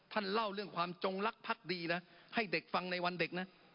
ท่านเล่าเรื่องความจงรักพรรคดีให้เด็กฟังในวันเด็กนะ